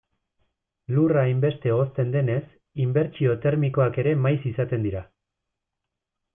Lurra hainbeste hozten denez, inbertsio termikoak ere maiz izaten dira.